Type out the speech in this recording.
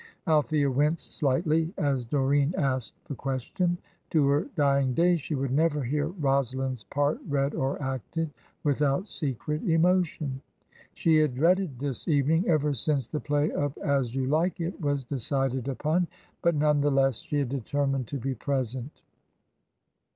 Althea winced slightly as Doreen asked the question. To her dying day she would never hear Rosalind's part read or acted, without secret emotion. She had dreaded this evening ever since the play of As You Like It was decided upon, but none the less she had determined to be present.